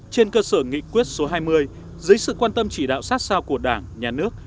trên cơ sở nghị quyết số hai mươi dưới sự quan tâm chỉ đạo sát sao của đảng nhà nước